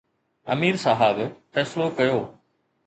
امير صاحب فيصلو ڪيو